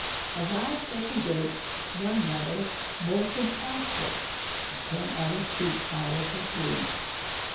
Arrived at the gate, one wether bolted past it, and ten other sheep followed his lead.